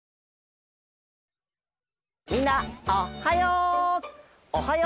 みんなおっはよ！